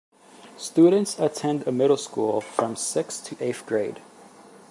Students attend a middle school from sixth to eighth grade.